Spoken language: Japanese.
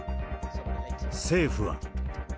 政府は。